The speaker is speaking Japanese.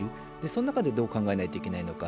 その中でどう考えなきゃいけないのか。